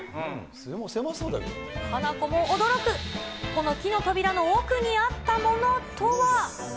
ハナコも驚く、この木の扉の奥にあったものとは？